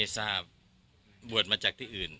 ทราบบวชมาจากที่อื่น